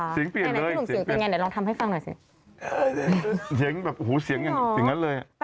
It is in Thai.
เสียงเปลี่ยนเลย